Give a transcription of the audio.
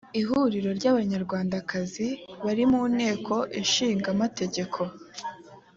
ihuriro ry abanyarwandakazi bari mu nteko ishinga amategeko